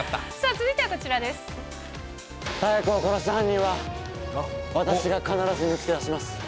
続いてはこちらです。